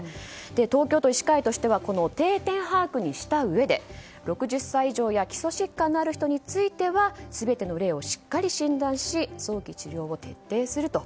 東京都医師会としては定点把握にしたうえで６０歳以上や基礎疾患がある人については全ての例をしっかり診断し早期治療を徹底すると。